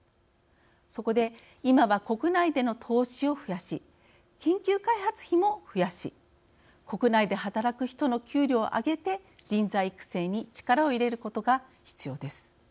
そこで今は国内での投資を増やし研究開発費も増やし国内で働く人の給料を上げて人材育成に力を入れることが必要です。